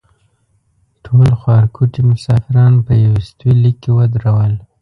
ټول خوارکوټي مسافران په یوستوي لیک کې ودرول.